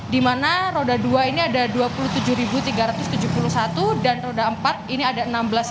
di mana roda dua ini ada dua puluh tujuh tiga ratus tujuh puluh satu dan roda empat ini ada enam belas dua ratus